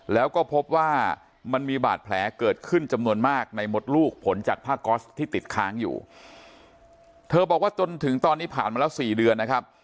แล้วก็พบว่ามันมีบาดแผลเกิดขึ้นจำนวนมากในมดลูกผลจากผ้าก๊อสที่ติดค้างอยู่เธอบอกว่าจนถึงตอนนี้ผ่านมาแล้วสี่เดือนนะครับ